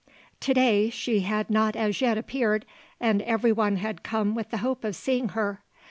To day she had not as yet appeared, and everyone had come with the hope of seeing her.